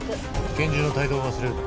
拳銃の帯同を忘れるな。